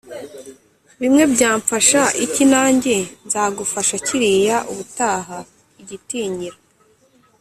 bimwe bya mfasha iki nange nzagufasha kiriya ubutaha, igitinyiro,